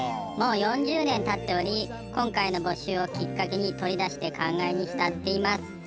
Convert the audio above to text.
もう４０年経っており今回の募集をきっかけに取り出して感慨に浸っています。